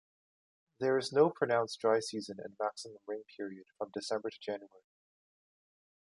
There is no pronounced dry season and maximum rain period from December to January.